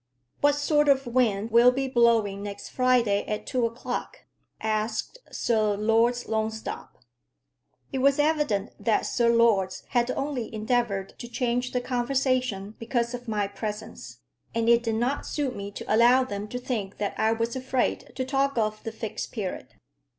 "What sort of wind will be blowing next Friday at two o'clock?" asked Sir Lords Longstop. It was evident that Sir Lords had only endeavoured to change the conversation because of my presence; and it did not suit me to allow them to think that I was afraid to talk of the Fixed Period.